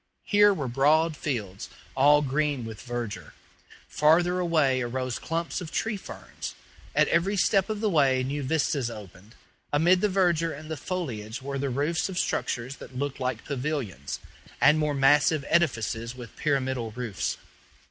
Here were broad fields, all green with verdure; farther away arose clumps of tree ferns; at every step of the way new vistas opened; amid the verdure and the foliage were the roofs of structures that looked like pavilions, and more massive edifices with pyramidal roofs.